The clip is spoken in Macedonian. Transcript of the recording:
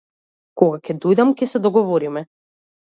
Кога ќе дојдам ќе се договориме.